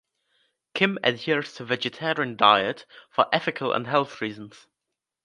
Kim adheres to a vegetarian diet for ethical and health reasons.